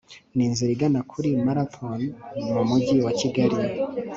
ninzira igana kuri marathon my mygi wa kigali